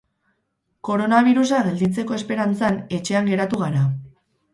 Koronabirusa gelditzeko esperantzan, etxean geratu gara.